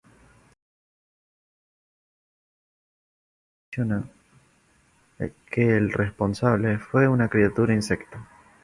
Pero el asustado Sheriff "accidentalmente" menciona que el responsable fue una criatura insecto.